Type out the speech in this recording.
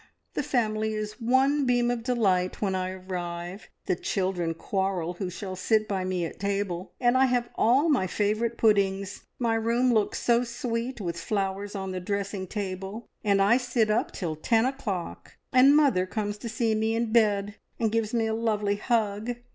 The family is one beam of delight when I arrive; the children quarrel who shall sit by me at table, and I have all my favourite puddings. My room looks so sweet with flowers on the dressing table, and I sit up till ten o'clock, and mother comes to see me in bed and gives me a lovely hug.